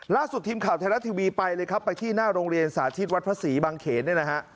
ล่าสุดทีมข่าวไทยรัฐทีวีไปเลยครับไปที่หน้าโรงเรียนสาธิตวัดพระศรีบางเขนเนี่ยนะฮะ